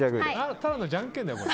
ただのじゃんけんだよ、これ。